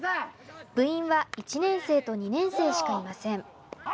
部員は１年生と２年生しかいません。